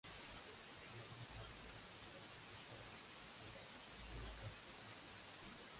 La misa es la celebración cristiana de la Eucaristía.